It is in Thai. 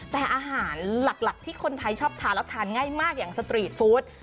แต่อาหารหลักที่คนไทยชอบทานแล้วทานง่ายมากอย่างสตรีทฟู้ด